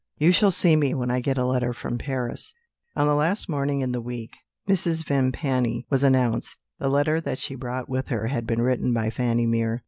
You shall see me when I get a letter from Paris." On the last morning in the week, Mrs. Vimpany was announced. The letter that she brought with her had been written by Fanny Mere.